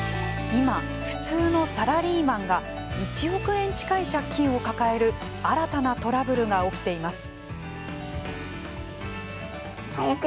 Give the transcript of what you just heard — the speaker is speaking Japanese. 今、普通のサラリーマンが１億円近い借金を抱える新たなトラブルが起きています。